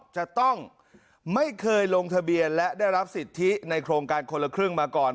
จะต้องไม่เคยลงทะเบียนและได้รับสิทธิในโครงการคนละครึ่งมาก่อน